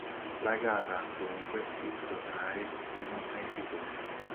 La gara, dunque, si protrae fino ai rigori.